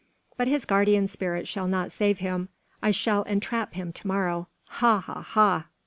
But his guardian spirit shall not save him. I will entrap him to morrow. Ha, ha, ha!"